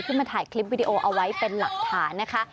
มาถ่ายคลิปวิดีโอเอาไว้เป็นหลักฐานนะคะ